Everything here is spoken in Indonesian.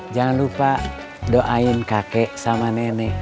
jangan lupa doain kakek sama nenek